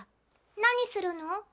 何するの？